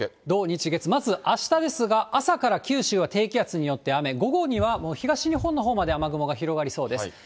土日月、まずあしたですが、朝から九州は低気圧によって雨、午後には東日本のほうまで雨雲が広がりそうです。